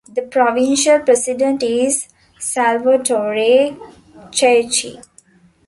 The provincial president is Salvatore Cherchi.